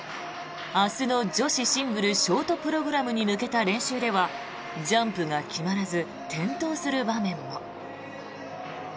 明日の女子シングルショートプログラムに向けた練習ではジャンプが決まらず転倒する場面も。